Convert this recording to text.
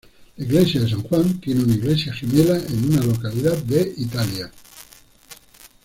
La iglesia de San Juan tiene una iglesia gemela en una localidad de Italia.